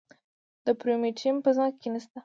د پرومیټیم په ځمکه کې نه شته.